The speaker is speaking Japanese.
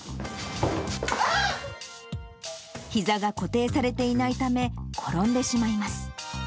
ひざが固定されていないため、転んでしまいます。